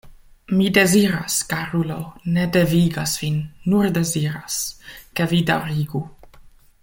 Mi deziras, karulo, ne devigas vin, nur deziras, ke vi daŭrigu.